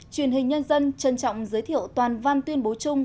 truyền hình nhân dân trân trọng giới thiệu toàn văn tuyên bố chung